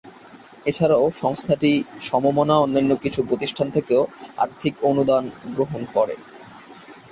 এছাড়াও সংস্থাটি সমমনা অন্যান্য কিছু প্রতিষ্ঠান থেকেও আর্থিক অনুদান গ্রহণ করে।